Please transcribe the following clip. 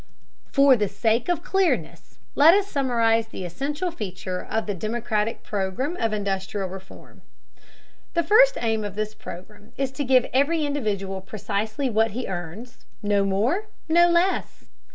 For the sake of clearness, let us summarize the essential features of the democratic program of industrial reform. The first aim of this program is to give every individual precisely what he earns, no more, no less.